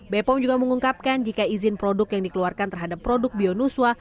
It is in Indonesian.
bepom juga mengungkapkan jika izin produk yang dikeluarkan terhadap produk bionuswa